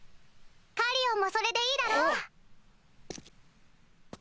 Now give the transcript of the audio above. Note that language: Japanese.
カリオンもそれでいいだろう？